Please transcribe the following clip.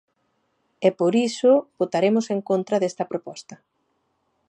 E por iso votaremos en contra desta proposta.